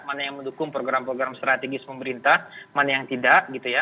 mana yang mendukung program program strategis pemerintah mana yang tidak gitu ya